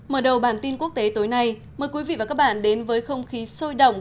mở đầu bản tin quốc tế tối nay mời quý vị và các bạn đến với không khí sôi động